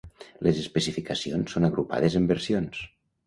Les especificacions són agrupades en versions.